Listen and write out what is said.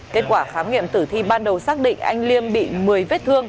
kết quả khám nghiệm tử thi ban đầu xác định anh liêm bị một mươi vết thương